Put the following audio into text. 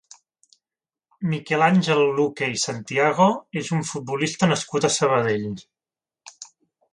Miquel Àngel Luque i Santiago és un futbolista nascut a Sabadell.